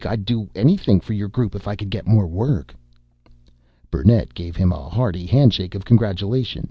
I'd do anything for your group if I could get more work." Burnett gave him a hearty handshake of congratulation ...